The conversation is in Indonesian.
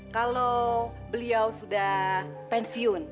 kalau beliau sudah pensiun